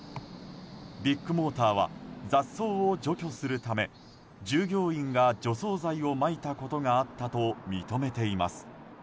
ビッグモーターは雑草を除去するため従業員が除草剤をまいたことがあったと認めています。